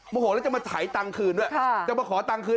โหแล้วจะมาถ่ายตังค์คืนด้วยจะมาขอตังค์คืน